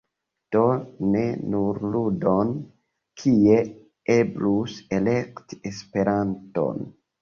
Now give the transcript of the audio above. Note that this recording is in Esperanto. Do ne nur ludon, kie eblus “elekti" Esperanton.